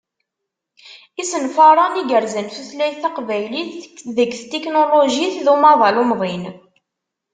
Isenfaren i yerzan tutlayt taqbaylit deg tetiknulujit d umaḍal umḍin.